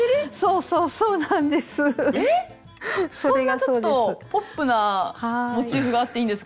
そんなちょっとポップなモチーフがあっていいんですか？